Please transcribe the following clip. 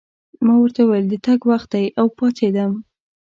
ما ورته وویل: د تګ وخت دی، او پاڅېدم.